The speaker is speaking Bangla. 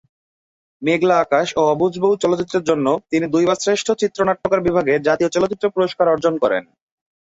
মেঘলা আকাশ ও অবুঝ বউ চলচ্চিত্রের জন্য তিনি দুইবার শ্রেষ্ঠ চিত্রনাট্যকার বিভাগে জাতীয় চলচ্চিত্র পুরস্কার অর্জন করেন।